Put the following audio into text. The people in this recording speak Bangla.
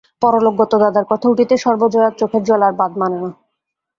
পরলোকগত দাদার কথা উঠিতে সর্বজয়ার চোখের জল আর বাঁধ মানে না।